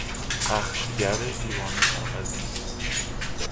پخشگر لیوان کاغذی